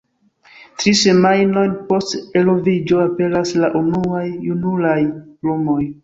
Tri semajnojn post eloviĝo, aperas la unuaj junulaj plumoj.